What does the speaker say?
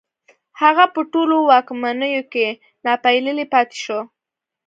هغه په ټولو واکمنيو کې ناپېيلی پاتې شو